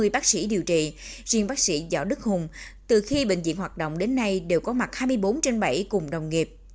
ba mươi bác sĩ điều trị riêng bác sĩ giỏi đức hùng từ khi bệnh viện hoạt động đến nay đều có mặt hai mươi bốn trên bảy cùng đồng nghiệp